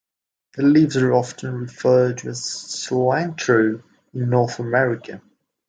The leaves are often referred to as cilantro in North America.